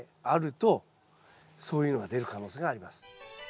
あるとそういうのが出る可能性があります。